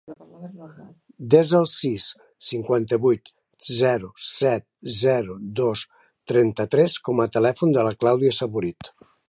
Desa el sis, cinquanta-vuit, zero, set, zero, dos, trenta-tres com a telèfon de la Clàudia Saborit.